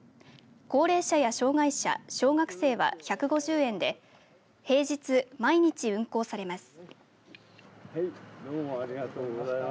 高齢者や障害者小学生は１５０円で平日、毎日運行されます。